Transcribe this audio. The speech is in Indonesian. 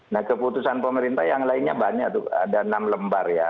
nah keputusan pemerintah yang lainnya banyak tuh ada enam lembar ya